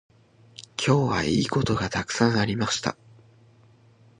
今日はいいことがたくさんありました。